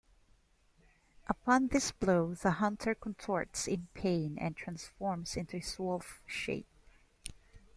Upon this blow, the hunter contorts in pain and transforms into his wolf shape.